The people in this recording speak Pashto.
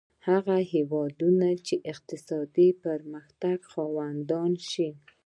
هغه هېوادونه چې اقتصادي پرمختګ خاوندان شي.